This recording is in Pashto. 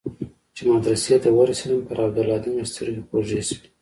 چې مدرسې ته ورسېدم پر عبدالهادي مې سترګې خوږې سوې.